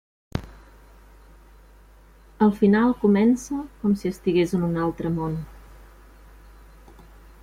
El final comença com si estigués en un altre món.